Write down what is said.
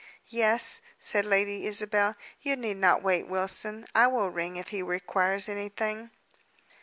"Yes," said Lady Isabel. "You need not wait, Wilson. I will ring if he requires anything."